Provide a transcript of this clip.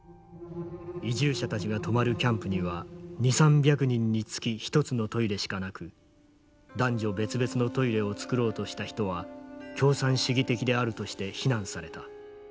移住者たちが泊まるキャンプには２００３００人につき１つのトイレしかなく男女別々のトイレを作ろうとした人は共産主義的であるとして非難された。